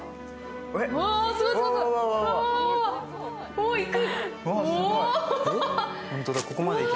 おお、いく。